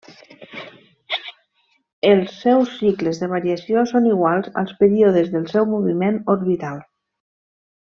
Els seus cicles de variació són iguals als períodes del seu moviment orbital.